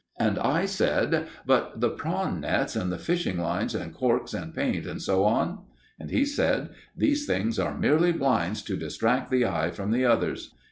And I said: "But the prawn nets and fishing lines and corks and paint, and so on?" And he said: "These things are merely blinds to distract the eye from the others."